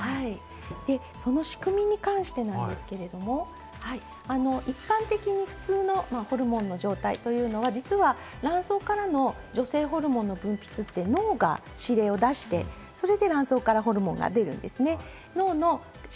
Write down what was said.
その仕組みに関してなんですけれども、一般的に普通のホルモンの状態というのは実は卵巣からの女性ホルモンの分泌って脳が指令を出して、それで卵巣からホルモンが出るんですね。